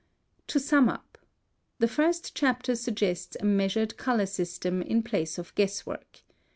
] (184) To sum up, the first chapter suggests a measured color system in place of guess work.